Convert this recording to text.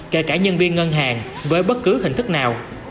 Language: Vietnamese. kể cả nhân viên ngân hàng với bất cứ hình thức nào